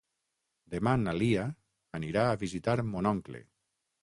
Demà na Lia anirà a visitar mon oncle.